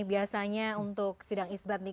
biasanya untuk sidang isbat nih